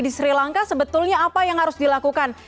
di sri lanka sebetulnya apa yang harus dilakukan